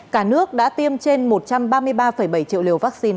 cả nước đã tiêm trên một trăm ba mươi ba bảy triệu liều vaccine